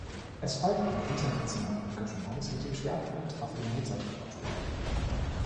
Es folgten internationale Engagements mit dem Schwerpunkt auf dem Mozart- Repertoire.